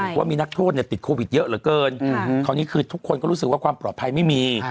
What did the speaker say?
เพราะว่ามีนักโทษเนี่ยติดโควิดเยอะเหลือเกินคราวนี้คือทุกคนก็รู้สึกว่าความปลอดภัยไม่มี